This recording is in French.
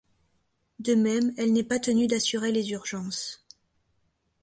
De même, elle n'est pas tenue d’assurer les urgences.